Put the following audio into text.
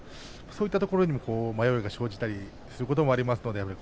そういうところにも迷いが生じたりすることがあります。